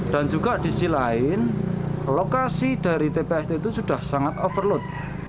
dan juga di sisi lain lokasi dari tpst itu sudah sangat overload